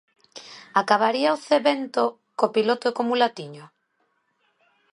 ¿Acabaría o Zé Bento co piloto e co mulatiño?